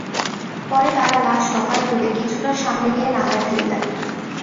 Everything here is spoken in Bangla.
পরে তাঁরা লাশ নৌকায় তুলে কিছুটা সামনে গিয়ে নালায় ফেলে দেন।